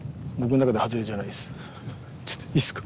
ちょっといいですか？